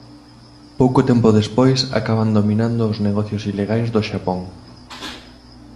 Pouco tempo despois acaban dominando os negocios ilegais do Xapón.